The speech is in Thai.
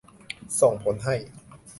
ส่งผลให้